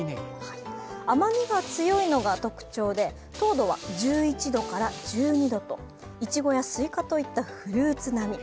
甘みが強いのが特徴で糖度は１１度から１２度と、いちごやすいかといったフルーツ並み。